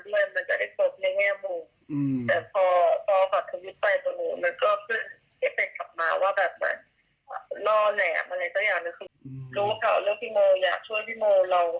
อืมค่ะงงเหมือนกันใช่ไหมค่ะ